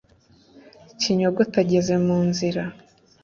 kinyogote ageze mu nzira,